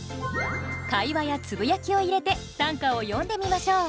会話やつぶやきを入れて短歌を詠んでみましょう。